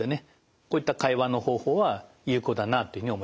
こういった会話の方法は有効だなというふうに思います。